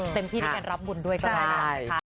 เต็มที่ได้การรับบุญด้วยก็ได้นะ